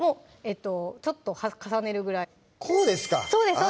ちょっと重ねるぐらいこうですかあぁそうです